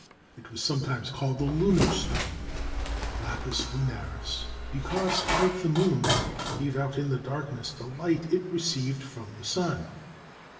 It was sometimes called the "lunar stone" (lapis lunaris), because, like the moon, it gave out in the darkness the light it received from the sun.